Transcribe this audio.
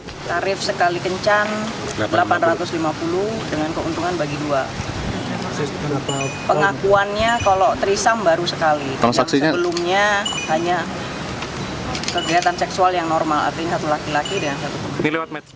pengertiannya kalau trisam baru sekali sebelumnya hanya kegiatan seksual yang normal artinya satu laki laki dan satu perempuan